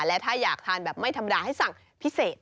และถ้าอยากทานแบบไม่ธรรมดาให้สั่งพิเศษ